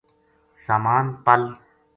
سامان پَل